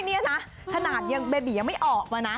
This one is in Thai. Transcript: นี่นะขนาดยังเบบียังไม่ออกมานะ